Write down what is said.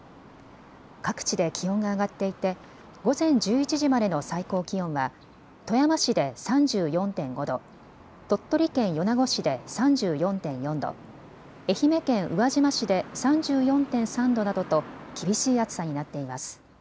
各地で気温が上がっていて午前１１時までの最高気温は富山市で３４．５度、鳥取県米子市で３４．４度、愛媛県宇和島市で３４．３度などと厳しい暑さになっています。